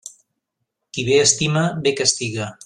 Qui bé estima, bé castiga.